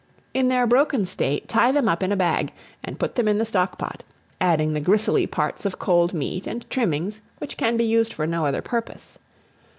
In their broken state tie them up in a bag, and put them in the stock pot; adding the gristly parts of cold meat, and trimmings, which can be used for no other purpose.